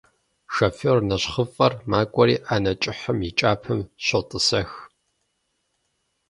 Шофёр нэщхъыфӀэр макӀуэри ӏэнэ кӀыхьым и кӀапэм щотӀысэх.